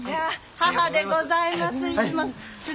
母でございます。